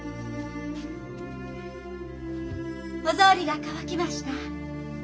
お草履が乾きました。